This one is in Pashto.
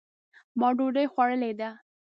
ما ډوډۍ خوړلې ده.